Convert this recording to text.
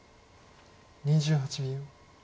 ２８秒。